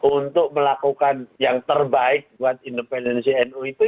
untuk melakukan yang terbaik buat independensi nu itu